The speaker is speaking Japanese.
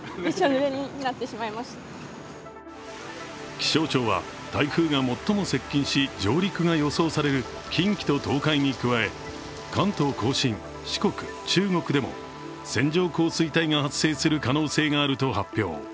気象庁は台風が最も接近し上陸が予想される近畿と東海に加え、関東甲信・四国・中国でも線状降水帯が発生する可能性があると発表。